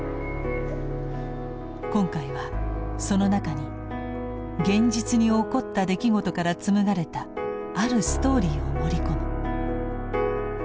今回はその中に現実に起こった出来事から紡がれたあるストーリーを盛り込む。